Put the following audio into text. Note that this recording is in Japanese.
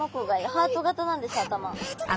ハートなんですか。